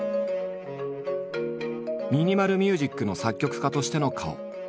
ミニマル・ミュージックの作曲家としての顔。